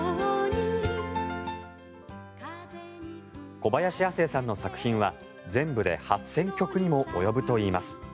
小林亜星さんの作品は全部で８０００曲にも及ぶといいます。